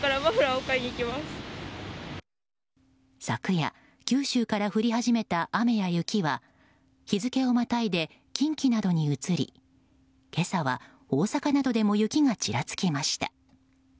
昨夜、九州から降り始めた雨や雪は日付をまたいで近畿などに移り今朝は大阪などでも雪がちらつきました。